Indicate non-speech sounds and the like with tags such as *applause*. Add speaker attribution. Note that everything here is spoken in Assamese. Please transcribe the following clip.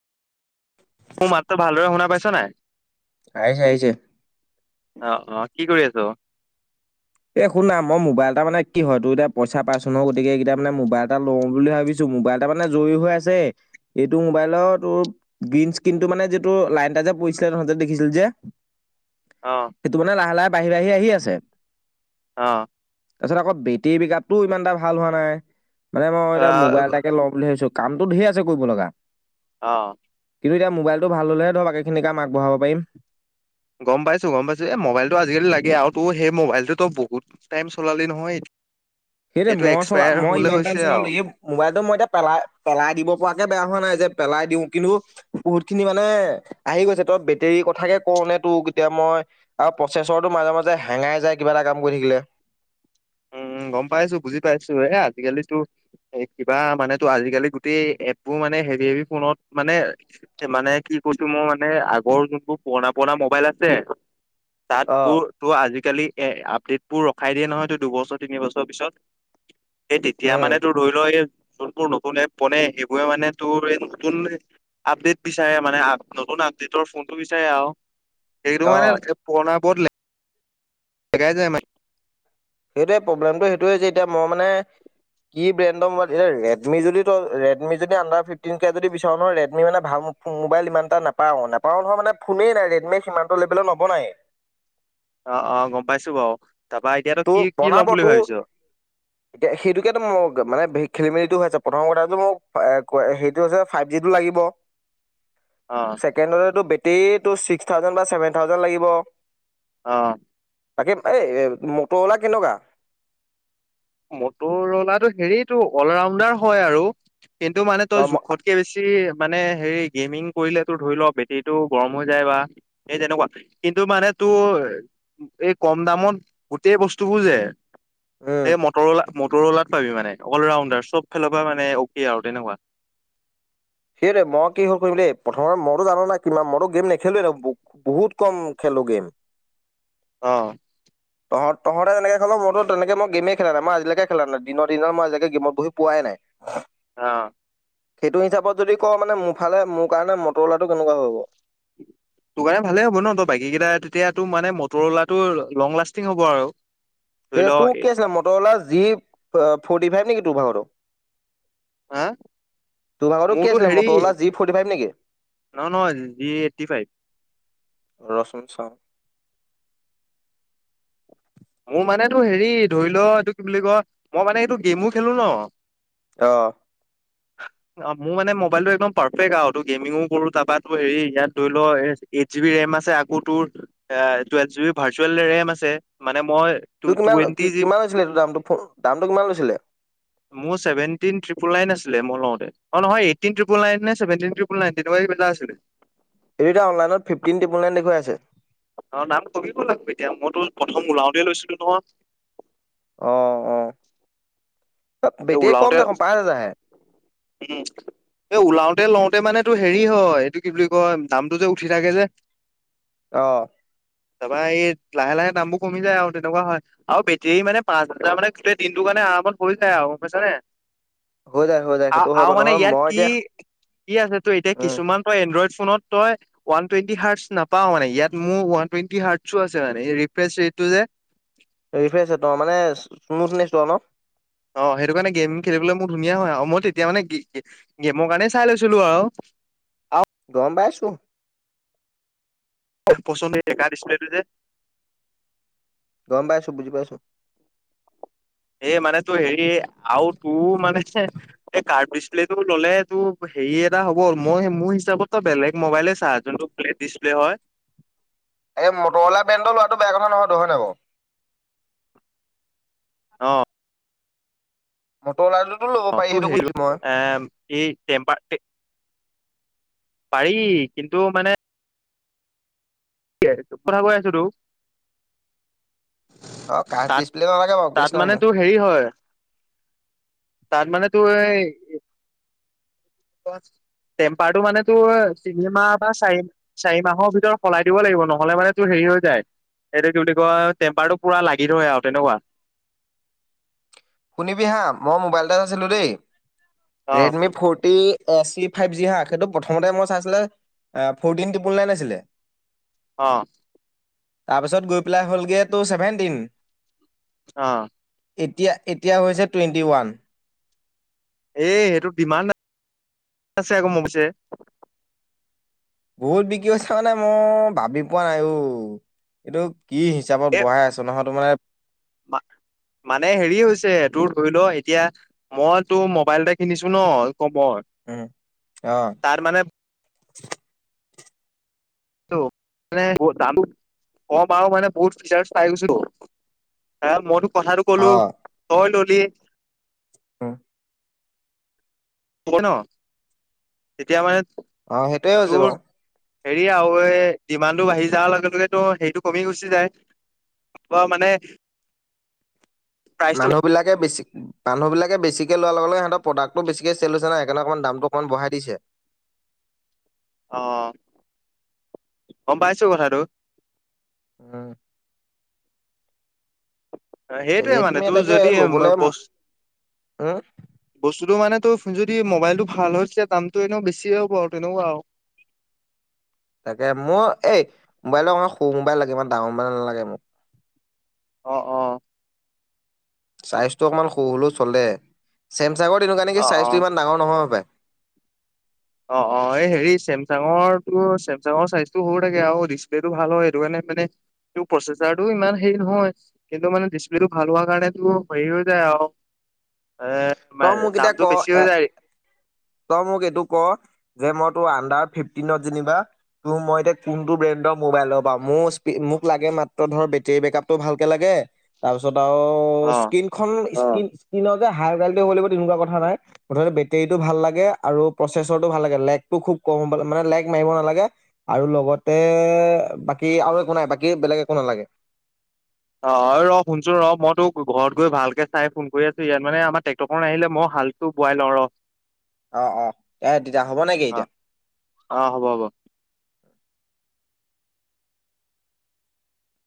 Speaker 1: *unintelligible*
Speaker 2: মোৰ মাতটো ভালদৰে শুনা পাইছা নাই?
Speaker 1: আহিছে আহিছে।
Speaker 2: অঁ অঁ কি কৰি আছ?
Speaker 1: এই শুনা ম‌ই মোবাইল এটা মানে কি হয় তোৰ এতিয়া পইচা পাইছোন গতিকে এইকেইটা মানে মোবাইল এটা লওঁ বুলি ভাবিছোঁ। তোৰ মোবাইল এটা মানে জয়ী হৈ আছে। এইটো মোবাইলৰ তোৰ গ্ৰীণ স্ক্ৰীণ টো মানে যিটো লাইন এটা যে পৰিছিল যত দেখিছিল যে
Speaker 2: অঁ
Speaker 1: সেইটো মানে লাহে লাহে বাঢ়ি বাঢ়ি আহি আছে।
Speaker 2: অঁ
Speaker 1: তাৰ পিছত আকৌ বেতেৰি বেক আপতটো ইমান এটা ভাল হোৱা নাই, মানে মই
Speaker 2: আ
Speaker 1: এতিয়া মোবাইল এটাকে ল'ম বুলি ভাবিছো। কামতটো ঢেৰ আছে কৰিব লগা।
Speaker 2: অঁ
Speaker 1: কিন্তু এতিয়া মোবলটো ভাল হ'লেহে, বাকীখিনি কাম আগবঢ়াব পাৰিম।
Speaker 2: গম পাইছো গম পাইছো এই মোবাইলটো আজিকালি লাগে আৰু ত সেই মবাইলটো বহুতটাইম চলালি নহয়।
Speaker 1: সেইটোৱে
Speaker 2: সেইটো
Speaker 1: মই চলা
Speaker 2: এক্সপায়াৰ
Speaker 1: মই
Speaker 2: হ'বলৈ
Speaker 1: ইমান টাইম
Speaker 2: হৈছে আৰু
Speaker 1: চলালো এই মোবাইলটো মই এতিয়া পেলাই পেলাই দিব পৰাকে বেয়া হোৱা নাই যে পেলাই দিওঁ, কিন্তু বহুত খিনি মানে আহি গৈছে, তই বেটেৰী কথাকে কওনে তোক এতিয়া মই আৰু প্ৰচেছৰটো মাজে মাজে হেঙাই যায়, কিবা এটা কাম কৰি থাকিলে।
Speaker 2: উম, গম পাইছো বুজি পাইছো এ আজিকালি তোৰ এই কিবা মানেতো আজিকালি গোটেই এপবোৰ মানে হেভি হেভি ফোনত মানে মানে কি কৈছো মই মানে আগৰ যোনবোৰ পুৰণা পুৰণা মোবাইল আছে। তাত
Speaker 1: অ'।
Speaker 2: বোৰ তোৰ আজিকালি এ আপডেটবোৰ ৰখাই দিয়ে নহয় ত দুবছৰ তিনি বছৰ পিছত। সেই তেতিয়া
Speaker 1: উম,
Speaker 2: মানে তোৰ ধৰি ল এই যোনবোৰ নতুন এপ বনে সেইবোৰে মানে তোৰ এই নতুন আপডেট বিচাৰে মানে, আ নতুন আপডেটৰ ফোনটো বিচাৰে আৰু। সেইটো মানে
Speaker 1: অ',
Speaker 2: এ পুৰণাবোৰত হেঙাই যায় মানে।
Speaker 1: সেইটোৱে প্ৰব্লেমটো সেইটোৱেই যে এতিয়া মই মানে কি ব্ৰেণ্ডৰ মোবাইল এ ৰেডমি যদি তই ৰেডমি যদি আণ্ডাৰ ফিফটিনকে যদি বিচাৰ নহয় ৰেডমি মানে ভাল মোবাইল ইমান এটা নাপাওঁ, নাপাওঁ নহয় মানে ফোনেই নাই ৰেডমি সিমানটো লেবেলত নবনায়ে।
Speaker 2: অ', অ', গম পাইছো বাৰু, তাৰাপা এতিয়াতো
Speaker 1: তোৰ
Speaker 2: কি কি
Speaker 1: বনাব
Speaker 2: ল'ম বুলি
Speaker 1: তোৰ
Speaker 2: ভাবিছ?
Speaker 1: এতিয়া সেইটোকে মই মানে খেলি মেলোটো হৈ আছে, প্ৰথম কথাটো মোক এ ক সেইটো হৈছে ফাইভ জিটো লাগিব।
Speaker 2: অ'।
Speaker 1: চেকেণ্ডতে তোৰ বেটৰীটো ছিক্স থাউজেণ্ড বা ছেভেন থাউজেণ্ড লাগিব।
Speaker 2: অ'।
Speaker 1: তাকে, এই-এই মট'আলা কেনেকুৱা?
Speaker 2: মট'আলাটো হেৰিটো অল ৰাউণ্ডাৰ হয় আৰু কিন্তু মানে
Speaker 1: অ
Speaker 2: তই
Speaker 1: ম-
Speaker 2: জোখত কে বেছি মানে হেৰি গেমিং কৰিলে ধৰি ল বেটেৰীটো গৰম হৈ যায় বা সেই তেনেকুৱা। কিন্তু মানে তোৰ এই কম দামত গোটেই বস্তুবোৰ যে
Speaker 1: উম
Speaker 2: এই মট'আলা-মট'আলাত পাবি মানে অল ৰাউণ্ডাৰ চব ফালৰ পৰা মানে অকে আৰু তেনেকুৱা।
Speaker 1: সেইটোৱে মই কি হ'ল *unintelligible* দে প্ৰথমে মইটো জানো না কিমান মইটো গেম নেখেলুৱে *unintelligible* বহুত কম খেলু গেম।
Speaker 2: অ'।
Speaker 1: তহঁত তহঁতে যেনেকে খেল মইটো তেনেকে মই গেমেই খেলা নাই মই আজিলৈকে খেলা নাই দিনত দিনৰ মই আজিলৈ গেমত বহি পোৱাই নাই।
Speaker 2: অ'।
Speaker 1: সেইটো হিচাপত যদি কওঁ মানে মোৰ ফালে মোৰ কাৰণে মট'অলাটো কেনেকুৱা হ'ব?
Speaker 2: তোৰ কাৰণে ভালে হ'ব ন তই বাকী কেইটা তেতিয়াতো মানে মট'অলাটো লং লাষ্টিং হ'ব আৰু। ধৰি ল
Speaker 1: সেইটো
Speaker 2: এ
Speaker 1: কি আছিলে মট'অলা জি অ' ফৰ্টি ফাইভ নেকি তোৰ ভাগটো?
Speaker 2: হা?
Speaker 1: কি
Speaker 2: মোৰতো
Speaker 1: আছিলে
Speaker 2: হেৰি,
Speaker 1: মটৰলা জি ফৰ্টি ফাইভ নেকি?
Speaker 2: নহয় নহয় জি এইট্ৰি ফাইভ।
Speaker 1: ৰ'হচোন চাওঁ।
Speaker 2: মোৰ মানেটো হেৰি ধৰি লওঁ এইটো কি বুলি কয় মই মানে এইটো গেমো খেলু ন।
Speaker 1: অ'।
Speaker 2: *inaudible* অ', মোৰ মানে মোবাইলটো একদম পাৰ্ফেক্ট আৰু তোৰ গেমিংও কৰো তাৰ পৰা তোৰ হেৰি ইয়াত ধৰি লোৱা এ এইট জি বি ৰেম আছে আকৌ তোৰ এ twelve G B virtual RAM আছে। মানে মই টু
Speaker 1: তোৰ কিমান
Speaker 2: টুৱেণ্টি জি
Speaker 1: কিমান লৈছিলে এইটো দামটো ফোন দামটো কিমান লৈছিলে?
Speaker 2: *inaudible* মোৰ চেভেটিন ত্ৰিপোল নাইন আছিলে মই লওঁতে অ' নহয় এইট্ৰিন ত্ৰিপোল নাইন নে ছেভেনট্ৰিন ত্ৰিপোল নাইন কেনেকুৱাই কিবা এটা আছিলে।
Speaker 1: এই এতিয়া অনলাইনত ফিফটিন ত্ৰিপোল নাইন দেখুৱাই আছে।
Speaker 2: অ', দাম কমি গ'ল এতিয়া মইতো প্ৰথম ওলাওঁতে লৈছিলো নহয়।
Speaker 1: অ', অ'।
Speaker 2: এ,
Speaker 1: বেটেৰী কম
Speaker 2: ওলাওঁতে
Speaker 1: দেখোন পাঁচ হাজাৰহে।
Speaker 2: উম'। এ, ওলাওতে লওঁতে মানে তোৰ হেৰি হয়, এইটো কি বুলি কয় দামটো যে উঠি থাকে যে। *inaudible*
Speaker 1: অ'।
Speaker 2: তাপা এই, লাহে লাহে দামবোৰ কমি যায় আৰু তেনেকুৱা হয়। আৰু বেটেৰী মানে পাঁচ হাজাৰ মানে গোটেই দিনটো কাৰণে আৰামত হৈ যায় আৰু গম পাইছানে?
Speaker 1: হৈ যায় হৈ যায়
Speaker 2: আও,
Speaker 1: সেইটো হয়
Speaker 2: আও
Speaker 1: বাৰু
Speaker 2: মানে
Speaker 1: নহয়
Speaker 2: ইয়াত
Speaker 1: মই
Speaker 2: কি
Speaker 1: এতিয়া
Speaker 2: কি আছে তোৰ এতিয়া
Speaker 1: উম,
Speaker 2: কিছুমান তই এনড্ৰইড ফোনত তই ওৱান টুৱেন্টি হাৰছ নাপা মানে, ইয়াত মোৰ ওৱান টুৱেণ্টি হাৰ্তছো আছে মানে এ, ৰিপ্ৰেছ এইটো যে
Speaker 1: ৰিফ্ৰেছয়েটো মানে *unintelligible* আৰু ন।
Speaker 2: অ', সেইটো কাৰণে গেম খেলিবলৈ মোৰ ধুনীয়া হয় আৰু মই তেতিয়া মানে গী-গে- গেমৰ কাৰণে চাই লৈছিলো আও।
Speaker 1: গম পাইছো।
Speaker 2: পচন্দই *unintelligible* টো যে।
Speaker 1: গম পাইছোঁ, বুজি পাইছোঁ।
Speaker 2: এ', মানে তোৰ হেৰি আওঁ তোৰ মানে এই কাৰ প্ৰেছ প্লেইটো ল'লে তোৰ হেৰি এটা হ'ব, মই মোৰ হিচাপতো বেলেগ মোবাইলে চা যোনটো ফ্লেট ডিচপ্লে হয়।
Speaker 1: এই, মটৰলা বেণ্ড লোৱাটো বেয়া কথা নহয় টো, হয় নাই বাৰু।
Speaker 2: অ'।
Speaker 1: মতৰঅলা টোটো লৈ
Speaker 2: অ', তোৰ হেৰিটো এ, এই টেমম্পাৰ টে পাৰি, কিন্তু মানে *unintelligible* কথা কৈ আছোটো
Speaker 1: অ', কাঠ
Speaker 2: তাত
Speaker 1: ডিছপ্লে নালাগে বাৰু কেছ
Speaker 2: তাত
Speaker 1: নাই
Speaker 2: মানে
Speaker 1: মোৰ।
Speaker 2: তোৰ হেৰি হয়, তাত মানে তোৰ এই টেম্পাৰটো মানে তোৰ তিনি মাহ বা চাৰি চাৰি মাহৰ ভিতৰত সলাই দিব লাগিব, নহ'লে মানে তোৰ হেৰি হৈ যায় এইটো কি বুলি কয়, টেম্পাৰটো পুৰা লাগি ধৰে আৰু তেনেকুৱা।
Speaker 1: শুনিবি হা মই মোবাইল এটা লৈছিলো দেই,
Speaker 2: অ',
Speaker 1: ৰেডমি ফ P S C five G হা, সেইটো প্ৰথমতে মই চাইছিলো আ', ফ'ৰটিন ট্ৰিপুল নাইন আছিলে
Speaker 2: অ'।
Speaker 1: তাৰপিছত গৈ পেলাই হ'লগে তোৰ ছেভেণ্টিন।
Speaker 2: অ'।
Speaker 1: এতিয়া এতিয়া হৈছে টুৱেণ্টি ওৱান।
Speaker 2: এ', এইটোত ডিমান্ড আছে আকৌ *inaudible*
Speaker 1: বহুত বিক্ৰী হৈছে মানে, মই ভাবি পোৱা নাই অ'। এইটো কি হিচাপত বঢ়াই আছো নহয় তোমাৰ
Speaker 2: মা- মানে হেৰি হৈছে তোৰ ধৰিল এতিয়া মই তোৰ মোবাইল এটা কিনিছো ন *inaudible*
Speaker 1: উম, অ'।
Speaker 2: তাত মানে *unintelligible* আৰু মানে বহুত ফিচাৰ পাই গৈছোটো। আ, মই তোক কথাটো ক'লো
Speaker 1: অ
Speaker 2: তই ল'লি
Speaker 1: উম'।
Speaker 2: ক'ব ন তেতিয়া মানে
Speaker 1: অ সেইটোয়ে হৈছে
Speaker 2: তোৰ
Speaker 1: বাৰু।
Speaker 2: হেৰি আৰু এই ডিমানটো বাঢ়ি যোৱাৰ লগে লগেটো সেইটো কমি গুচি যায়। অ মানে। প্ৰাইচটো
Speaker 1: মানুহবিলাকে বেছি। মানুহবিলাকে বেছিকে লোৱা লগে লগে সিহঁতে প্ৰডাক্টো বেছিকে চেল‌ হৈছে নাই সেইকাৰণে অকণমান দামটো অকণমান বঢ়াই দিছে।
Speaker 2: অ গম পাইছোঁ কথাটো।
Speaker 1: উম।
Speaker 2: অ সেইটোৱে মানে
Speaker 1: ৰেডমি
Speaker 2: তোৰ
Speaker 1: এটাকে
Speaker 2: যদি অ
Speaker 1: ল'বলে
Speaker 2: বস্তু।
Speaker 1: উম
Speaker 2: বস্তুটো মানে তোৰ যদি মোবাইলটো ভাল হৈছে দামতটো এনেও বেছিয়ে হ'ব আৰু তেনেকুৱা আৰু।
Speaker 1: তাকে মোৰ এই মোবাইলৰ অকণমান সৰু মোবাইল লাগে ইমান ডাঙৰ মোবাইল নালাগে মোক।
Speaker 2: অ অ।
Speaker 1: ছাইজটো অকণমান সৰু হ'লেও চলে চেমচাঙৰ তেনেকুৱা নেকি
Speaker 2: অ অ
Speaker 1: ছাইজটো ইমান ডাঙৰ নহয় পাই।
Speaker 2: অ অ এই হেৰি চেমচাঙৰটো চেমচাঙৰ চাইজটো সৰু থাকে আৰু ডিচপ্লেটো ভাল হয় সেইটো কাৰণে মানে। টো প্ৰচেচাৰটোও ইমান হেৰি নহয়। কিন্তু মানে ডিছপ্লেটো ভাল‌ হোৱাৰ কাৰণে তোৰ হেৰী হৈ যায় অলপ। এ
Speaker 1: তই
Speaker 2: তোমাৰ
Speaker 1: মোক এতিয়া ক
Speaker 2: দামটো বেছি
Speaker 1: এ
Speaker 2: হৈ যায়।
Speaker 1: তই মোক এইটো ক যে মই তোৰ আন্ডাৰত ফিফটিনত যেনিবা। তোৰ মই এতিয়া কোনটো ব্ৰেণ্ডৰ মোবাইল লও বা মোৰ ‌স্পীড মোক লাগে মাত্ৰ ধৰ বেটেৰী বেকআপতটো ভালকে লাগে। তাৰপিছত আৰু। অ স্ক্ৰীনখন স্ক্ৰীন স্ক্ৰীনতে হাই ৱালপ্লে হ'ব লাগিব তেনেকুৱা কথা নাই মুঠতে বেটীৰীটো ভাল হ। লাগে আৰু প্ৰচেছৰটো ভাল লাগে লেগটো খুব কম হ'ব মানে লেগ মাৰিব নালাগে। আৰু লগতে বাকী আৰু একো নাই বাকী বেলেগ একো নালাগে।
Speaker 2: অ হয় ৰ শুনচোন ৰহ মই তোক ঘৰত গৈ ভালকে চাই ফোন কৰি আছো ইয়াত মানে আমাৰ ট্ৰেক্টৰখন আহিলে মই হাল। টো বোৱাই লওঁ ৰহ।
Speaker 1: অ অ এ তেতিয়া হ'ব নেকি।
Speaker 2: অ অ হ'ব।